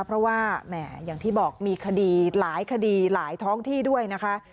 เพราะว่าแหมอย่างที่บอกมีคดีหลายคดีหลายท้องที่ด้วยนะคะ